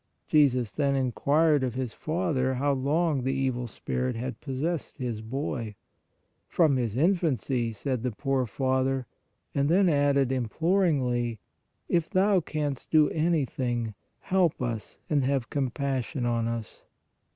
Jesus then inquired of his father, how long the evil spirit had possessed his boy. " From his infancy," said the poor father, and then added im ploringly, " if Thou canst do anything, help us and have compassion on us."